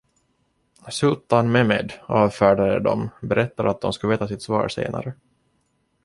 Sultan Mehmed avfärdade dem, berättar att de skulle veta sitt svar senare.